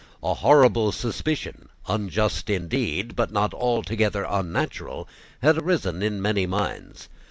A horrible suspicion, unjust indeed, but not altogether unnatural, had arisen in many minds.